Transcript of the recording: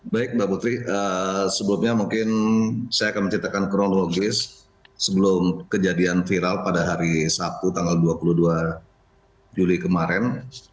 baik mbak putri sebelumnya mungkin saya akan menceritakan kronologis sebelum kejadian viral pada hari sabtu tanggal dua puluh dua juli kemarin